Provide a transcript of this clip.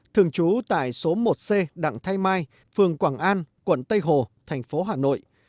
thường trú tại số một c đặng thái mai phường quảng an quận tây hồ thành phố hà nội